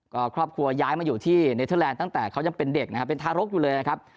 ก็ครอบครัวย้ายมาอยู่ที่เนเทอร์แลนด์ตั้งแต่เขายังเป็นเด็กนะครับเป็นทารกอยู่เลยนะครับ